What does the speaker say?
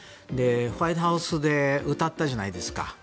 ホワイトハウスで歌ったじゃないですか。